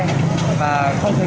đi kiểm tra nồng độ cồn